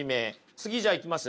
次じゃあいきます？